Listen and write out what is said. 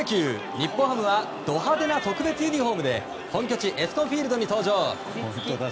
日本ハムはド派手な特別ユニホームで本拠地エスコンフィールドに登場。